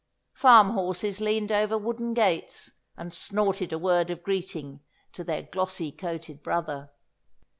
Farm horses leaned over wooden gates, and snorted a word of greeting to their glossy coated brother.